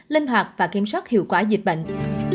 linh hoạt và kiểm soát hiệu quả dịch bệnh